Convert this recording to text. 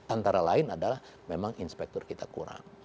antara lain adalah memang inspektur kita kurang